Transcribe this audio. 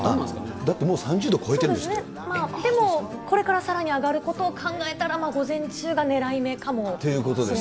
だってもう３０度超えてんででもこれからさらに上がることを考えたら、午前中がねらい目かもしれませんね。